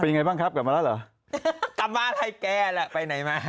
ยังไงบ้างครับกลับมาแล้วเหรอกลับมาไทยแกแหละไปไหนมา